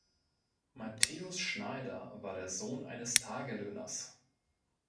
Matthäus Schneider war der Sohn eines Tagelöhners.